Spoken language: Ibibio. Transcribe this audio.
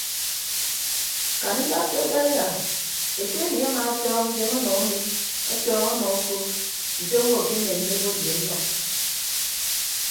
Kan idap do daiya ete emi amaatọọñ idem ọnọ umi ọtọọñ ọnọ uko nte owo akemenne ebot ye nnʌk.